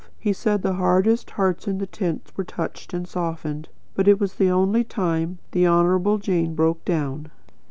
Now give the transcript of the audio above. He said the hardest hearts in the tent were touched and softened. But, it was the only time the Honourable Jane broke down."